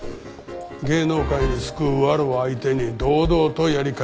芸能界に巣食うワルを相手に堂々とやり返した。